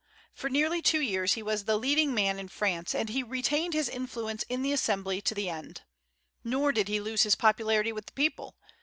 For nearly two years he was the leading man in France, and he retained his influence in the Assembly to the end. Nor did he lose his popularity with the people.